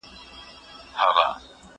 کتاب د زده کوونکي لخوا لوستل کېږي!؟